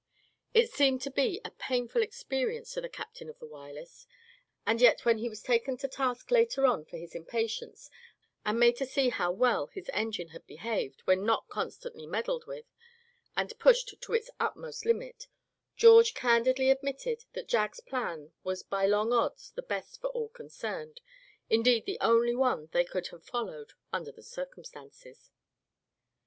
It seemed to be a painful experience to the captain of the Wireless, and yet when he was taken to task later on for his impatience, and made to see how well his engine had behaved when not constantly meddled with, and pushed to its utmost limit, George candidly admitted that Jack's plan was by long odds the best for all concerned, indeed, the only one they could have followed, under the circumstances.